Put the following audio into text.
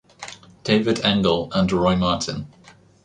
David Engel and Roy Martin.